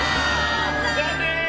残念！